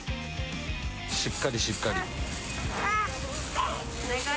しっかり、しっかり。